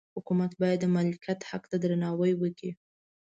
حکومت باید د مالکیت حق ته درناوی وکړي.